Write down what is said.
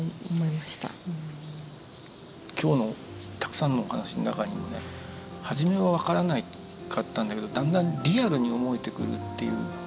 今日のたくさんのお話の中にもね初めは分からなかったんだけどだんだんリアルに思えてくるっていうことありますよね。